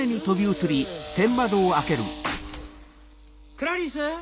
クラリス！